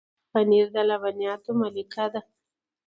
پنېر د لبنیاتو ملکه ده.